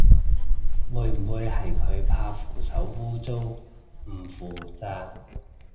會唔會係佢怕扶手污糟唔扶咋